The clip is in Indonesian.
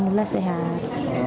mbak isma baik